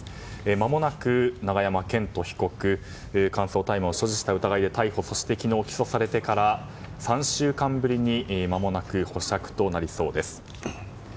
まもなく永山絢斗被告乾燥大麻を所持した疑いで逮捕、そして昨日起訴されてから３週間ぶりにまもなく保釈となりそうです。